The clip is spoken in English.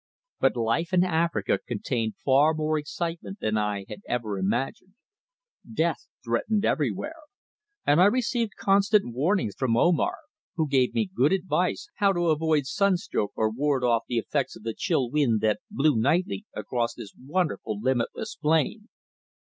But life in Africa contained far more excitement than I had ever imagined. Death threatened everywhere, and I received constant warnings from Omar, who gave me good advice how to avoid sunstroke or ward off the effects of the chill wind that blew nightly across this wonderful limitless plain.